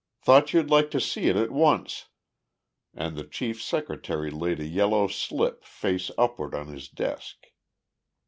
Thought you'd like to see it at once," and the chief's secretary laid a yellow slip face upward on his desk.